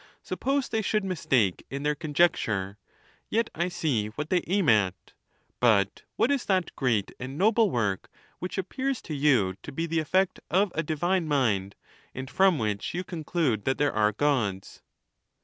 Suppose they should mistake in their conjecture, yet I see what they aim at. But what is that great and noble worlc which appears to you to be the effect of a divine mind, and from which you conclude that there are Gods?